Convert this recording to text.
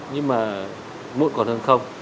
nhưng mà muộn còn hơn không